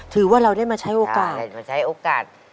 ถือว่าเราได้มาใช้โอกาสได้มาใช้โอกาส